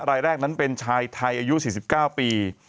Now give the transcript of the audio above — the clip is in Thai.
รายแรกนั้นเป็นชายไทยอายุ๔๙ปี